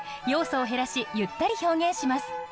要素を減らしゆったり表現します。